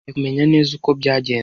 Nkeneye kumenya neza uko byagenze.